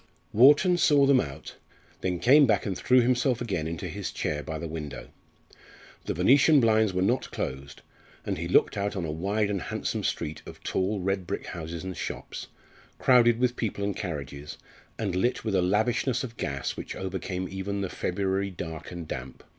Wharton saw them out, then came back and threw himself again into his chair by the window. The venetian blinds were not closed, and he looked out on a wide and handsome street of tall red brick houses and shops, crowded with people and carriages, and lit with a lavishness of gas which overcame even the February dark and damp.